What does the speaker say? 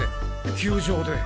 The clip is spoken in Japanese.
球場で。